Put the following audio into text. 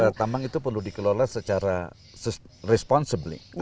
pertambang itu perlu dikelola secara responsibly